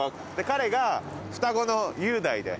彼が双子の雄大で。